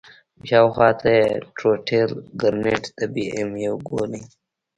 شاوخوا ته يې ټروټيل ګرنېټ د بي ام يو ګولۍ.